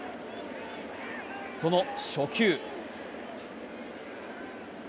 その初球。